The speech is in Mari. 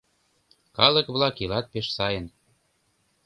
Калык-влак илат пеш сайын